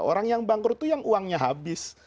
orang yang bangkrut itu yang uangnya habis